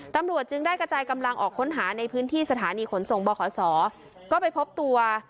ตำรวจจึงได้กระจายกำลังออกค้นหาในพื้นที่สถานีขนส่งบขศก็ไปพบตัว